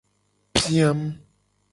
Piam.